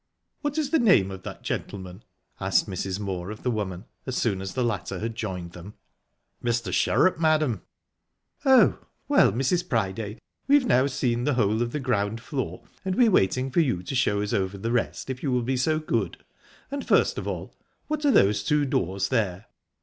"What is the name of that gentleman?" asked Mrs. Moor of the woman, as soon as the latter had joined them. "Mr. Sherrup, madam." "Oh!...Well, Mrs. Priday, we've now seen the whole of the ground floor, and we're waiting for you to show us over the rest, if you will be so good. And first of all what are those two doors there?"